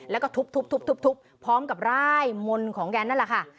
แล้วก็ทุบพร้อมกับร่ายมนต์ของแกนั่นแหละค่ะ